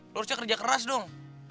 lu harusnya kerja keras dong